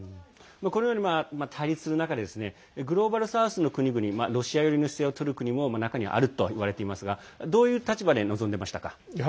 このように対立する中でグローバル・サウスの国々ロシアよりの姿勢をとる国も中にはあるといわれていますがどういう立場で臨んでましたか。